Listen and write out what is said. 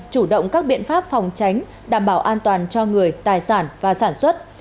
chủ động các biện pháp phòng tránh đảm bảo an toàn cho người tài sản và sản xuất